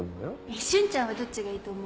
瞬ちゃんはどっちがいいと思う？